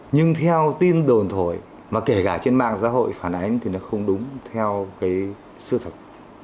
nhưng theo tin đồn thổi mà kể cả trên mạng xã hội phản ánh thì nó không đúng theo cái sư thật